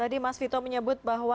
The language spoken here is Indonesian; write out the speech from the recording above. tadi mas vito menyebut bahwa